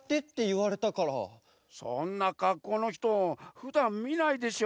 そんなかっこうのひとふだんみないでしょ？